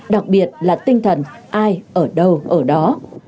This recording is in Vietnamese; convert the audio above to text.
đặc biệt là tinh thần ai ở đâu ở đó